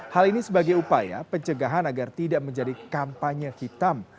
hal ini sebagai upaya pencegahan agar tidak menjadi kampanye hitam